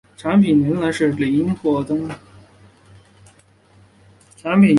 产物仍然是邻或对羟基芳酮。